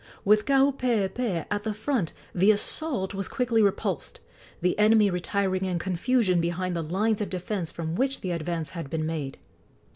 With Kaupeepee at the front the assault was quickly repulsed, the enemy retiring in confusion behind the lines of defence from which the advance had been made.